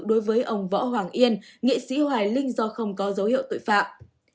đối với ông võ hoàng yên nghệ sĩ hoài linh do không có dấu hiệu tội phạm